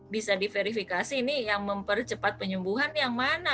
bisa diverifikasi ini yang mempercepat penyembuhan yang mana